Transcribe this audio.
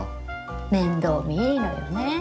面倒見いいのよね。